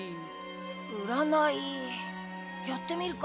うらないやってみるか。